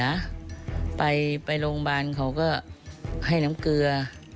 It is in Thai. ทองเสียไปโรงพยาบาลเขาให้น้ำเกลือ